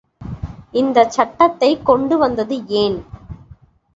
இந்த சட்டத்தைக் கொண்டு வந்தது ஏன்?